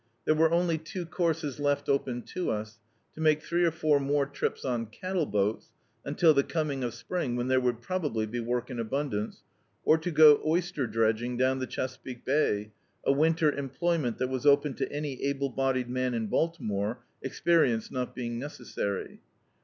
There were only two courses left open to us : to make three or four more trips on cattle boats, until the coming of spring, when there would probably be work in abundance, or to go oyster dredging down the Chesapeake Bay, a winter employment that was open to any able bodied man in Baltimore, experience not being nee essary.